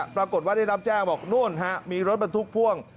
ปรากฏว่าได้รับแจ้งบอกนู่นฮะมีรถบรรทุกพ่วง